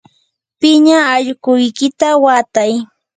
piña allquykita watay.